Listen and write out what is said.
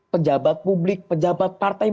pejabat publik pejabat partai